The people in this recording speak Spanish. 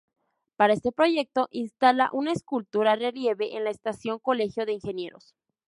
Para este proyecto instala una escultura-relieve en la Estación Colegio de Ingenieros.